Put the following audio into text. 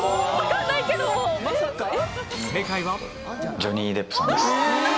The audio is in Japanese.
ジョニー・デップさんです。